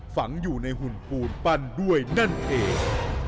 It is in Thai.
ฝังอยู่ในหุ่นปูนปั้นด้วยนั่นเอง